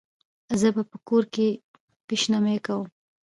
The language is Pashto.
زه به په کور کې پیشمني کوم